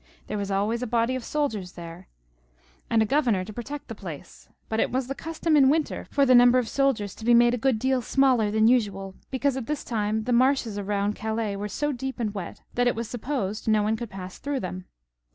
There was always a body of soldiers there and a governor to protect the place \ but it was the custom in winter for the number of soldiers to be made a good deal smaller than usual, because at this time the marshes round Calais were so deep and wet that it was supposed no one could pass through them.